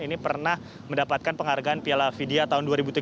ini pernah mendapatkan penghargaan piala vidya tahun dua ribu tujuh belas